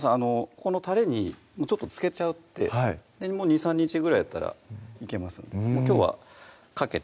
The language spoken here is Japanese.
このたれに漬けちゃって２３日ぐらいだったらいけますのできょうはかけてね